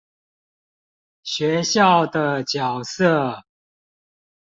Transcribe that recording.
學校的角色